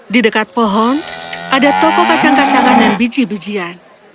di dekat pohon ada toko kacang kacangan dan biji bijian